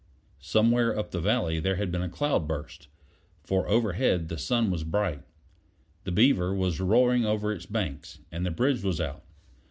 Somewhere up the valley there had been a cloudburst, for overhead the sun was bright. The Beaver was roaring over its banks, and the bridge was out.